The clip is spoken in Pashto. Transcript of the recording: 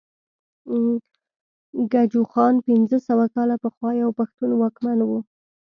ګجوخان پنځه سوه کاله پخوا يو پښتون واکمن وو